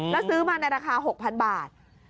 แล้วซื้อมาในราคา๖๐๐๐บาท